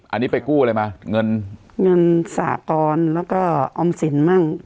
อันนี้ไปกู้อะไรมาเงินเงินสากรแล้วก็ออมสินมั่ง